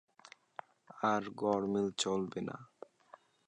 আর গরমিল চলিবে না।